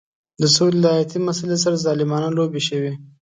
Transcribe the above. د سولې له حیاتي مسلې سره ظالمانه لوبې شوې.